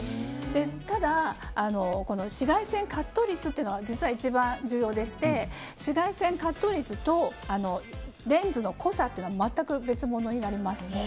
ただ、紫外線カット率というのが実は一番重要でして紫外線カット率とレンズの濃さというのは全く別物になります。